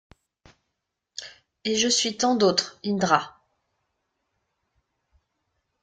Et je suis tant d’autres, Indra.